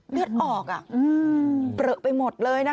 เลือดออกเปลือไปหมดเลยนะคะ